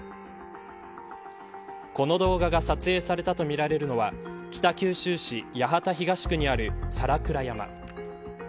この動画が撮影されたとみられるのは北九州市八幡東区にある皿倉山。